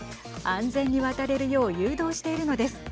安全に渡れるよう誘導しているのです。